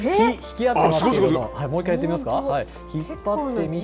もう１回やってみますか？